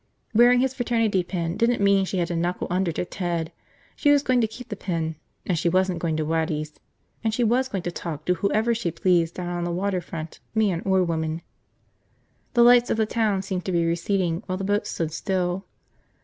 Wearing his fraternity pin didn't mean she had to knuckle under to Ted. She was going to keep the pin. And she wasn't going to Waddy's. And she was going to talk to whoever she pleased down on the water front, man or woman. The lights of the town seemed to be receding while the boat stood still.